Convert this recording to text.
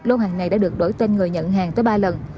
lô hàng này đã được đổi tên người nhận hàng tới ba lần